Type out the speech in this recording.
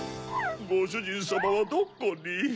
ごしゅじんさまはどこに？